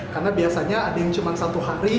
karena biasanya ada yang cuma satu hari